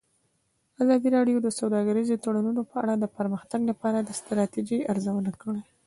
ازادي راډیو د سوداګریز تړونونه په اړه د پرمختګ لپاره د ستراتیژۍ ارزونه کړې.